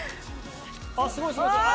あっすごいすごいすごい。